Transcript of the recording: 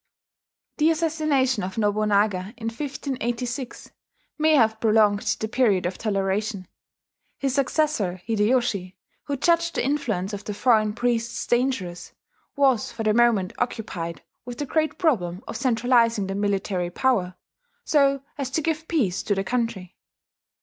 The assassination of Nobunaga in 1586 may have prolonged the period of toleration. His successor Hideyoshi, who judged the influence of the foreign priests dangerous, was for the moment occupied with the great problem of centralizing the military power, so as to give peace to the country.